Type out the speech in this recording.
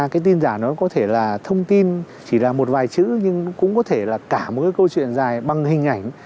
cái tin giả nó có thể là thông tin chỉ là một vài chữ nhưng cũng có thể là cả một cái câu chuyện dài bằng hình ảnh